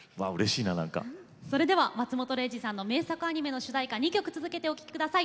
それでは松本零士さんの名作アニメの主題歌２曲続けて、お聴きください。